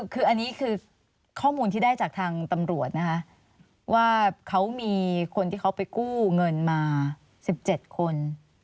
คืออันนี้คือข้อมูลที่ได้จากทางตำรวจนะคะว่าเขามีคนที่เขาไปกู้เงินมา๑๗คน